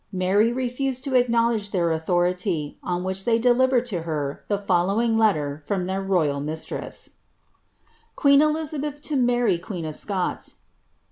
Mary refused to knowledge llieir authority, on which they delivered to her the folios letter from their royal mistress ;— QCLSTI ElIIXBETS TO MlRT, QvEE^ OF ScOTS.